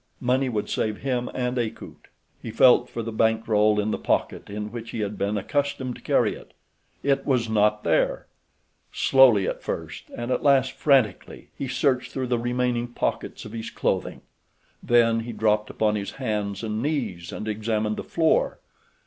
Money would save him and Akut! He felt for the bank roll in the pocket in which he had been accustomed to carry it. It was not there! Slowly at first and at last frantically he searched through the remaining pockets of his clothing. Then he dropped upon his hands and knees and examined the floor.